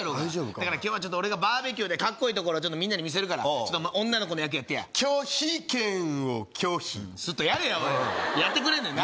だから今日はちょっと俺がバーベキューでかっこいいところちょっとみんなに見せるから女の子の役やってや拒否権を拒否スッとやれやおいやってくれんねんな